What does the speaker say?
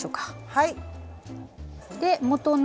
はい！